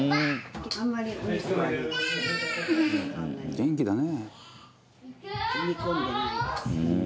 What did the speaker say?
「元気だね」